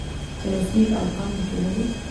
رسمي ارقامو کې نه دی.